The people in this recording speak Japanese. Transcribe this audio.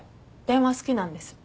電話好きなんです。